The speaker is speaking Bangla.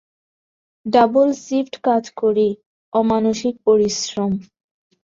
ডাবল শিফট কাজ করি, অমানুষিক পরিশ্রম।